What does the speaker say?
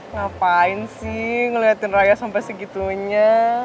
ngapain sih ngeliatin raya sampai segitunya